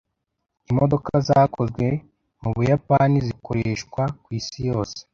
Imodoka zakozwe mubuyapani zikoreshwa kwisi yose.